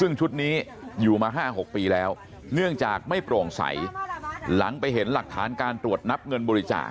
ซึ่งชุดนี้อยู่มา๕๖ปีแล้วเนื่องจากไม่โปร่งใสหลังไปเห็นหลักฐานการตรวจนับเงินบริจาค